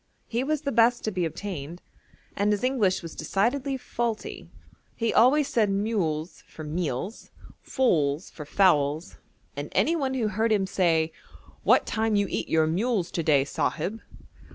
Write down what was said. He was the best to be obtained, and his English was decidedly faulty. He always said mules for meals, foals for fowls, and any one who heard him say 'What time you eat your mules to day, Sahib?'